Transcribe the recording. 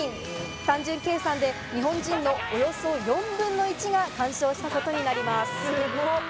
単純計算で日本人のおよそ４分の１が鑑賞したことになります。